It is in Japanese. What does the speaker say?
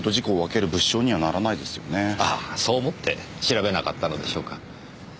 ああそう思って調べなかったのでしょうか。